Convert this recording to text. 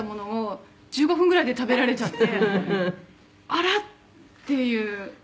「あら？っていう」